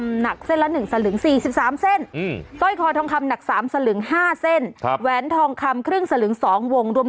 พนักงานเขาก็กลัวไง